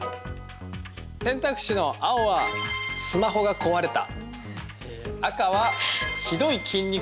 選択肢の青はスマホが壊れた。